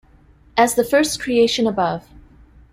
As the first creation above.